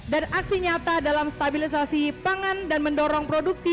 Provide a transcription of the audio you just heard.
dan aksi nyata dalam stabilisasi pangan dan mendorong produksi